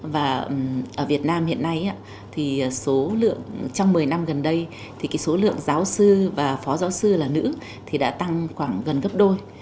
và ở việt nam hiện nay thì số lượng trong một mươi năm gần đây thì số lượng giáo sư và phó giáo sư là nữ thì đã tăng khoảng gần gấp đôi